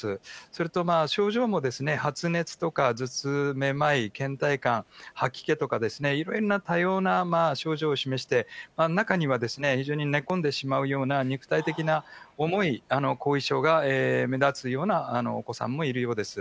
それと、症状もですね、発熱とか頭痛、めまい、けん怠感、吐き気とか、いろんな多様な症状を示して、中には、非常に寝込んでしまうような、肉体的な重い後遺症が目立つようなお子さんもいるようです。